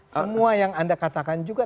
semua yang anda katakan juga